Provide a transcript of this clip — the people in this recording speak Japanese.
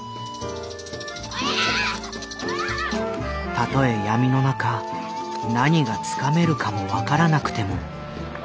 「たとえ闇の中何がつかめるかも分からなくても。